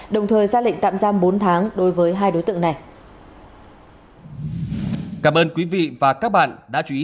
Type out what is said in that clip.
đồng thời ra lệnh tạm giam bốn tháng đối với hai đối tượng này